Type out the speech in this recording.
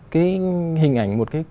cái hình ảnh một cái